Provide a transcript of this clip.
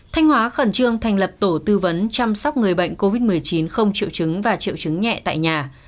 thanh hóa khẩn trương thành lập tổ tư vấn chăm sóc người bệnh covid một mươi chín không triệu chứng và triệu chứng nhẹ tại nhà